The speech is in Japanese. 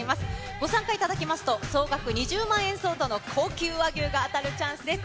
ご参加いただきますと、総額２０万円相当の高級和牛が当たるチャンスです。